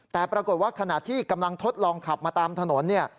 แต่ปรากฏว่าขณะที่กำลังทดลองขับมาตามถนนเนี่ย